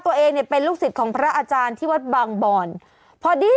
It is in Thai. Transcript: ตัวเองเนี่ยเป็นลูกศิษย์ของพระอาจารย์ที่วัดบางบ่อนพอดี